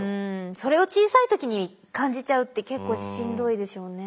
それを小さい時に感じちゃうって結構しんどいでしょうね。